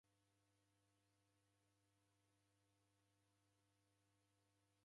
Nikukabia mwatulituli ngelo zima